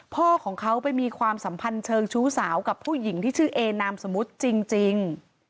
พ่อของเขาไปมีความสัมพันธ์เชิงชู้สาวกับผู้หญิงที่ชื่อเอนามสมมุติจริง